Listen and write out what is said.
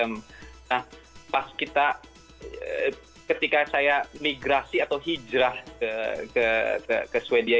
nah pas kita ketika saya migrasi atau hijrah ke sweden